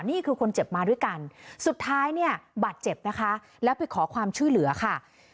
นี่คือคนเจ็บมาด้วยกันสุดท้ายเนี่ยบาดเจ็บนะคะแล้วไปขอความช่วยเหลือค่ะ